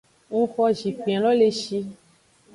Ng xo zinkpin lo le shi.